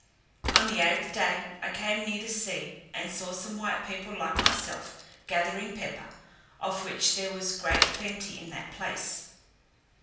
On the eighth day I came near the sea, and saw some white people like myself, gathering pepper, of which there was great plenty in that place.